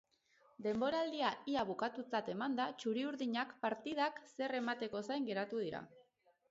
Denboraldia ia bukatutzat emanda, txuriurdinak partidak zer emateko zain geratu dira.